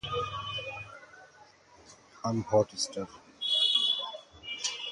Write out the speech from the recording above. চার দিন পর, "লেনিনস্কি কমসোমল" ঘাঁটিতে ফিরে আসে।